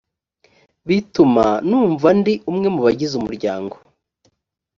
bituma numva ndi umwe mu bagize umuryango